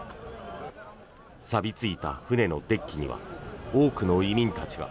さび付いた船のデッキには多くの移民たちが。